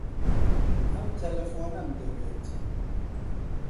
ئەم تەلەفۆنەم دەوێت.